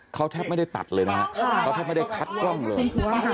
เขาแทบไม่ได้ตัดเลยนะฮะเขาแทบไม่ได้คัดกล้องเลย